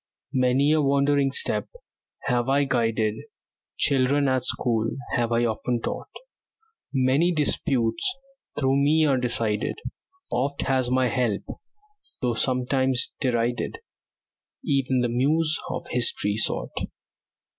Many a wandering step have I guided; Children at school have I often taught; Many disputes through me are decided; Oft has my help, though sometimes derided, Even the Muse of History sought.